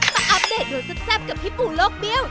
มาอัพเดทโดยซับกับพี่ปูโลกเบี้ยว